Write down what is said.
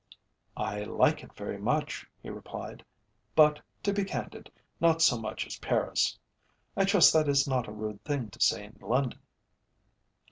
"I like it very much," he replied, "but, to be candid, not so much as Paris. I trust that is not a rude thing to say in London?"